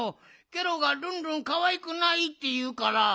ケロがルンルンかわいくないっていうから。